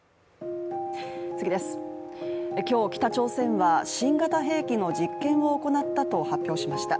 今日、北朝鮮は新型兵器の実験を行ったと発表しました。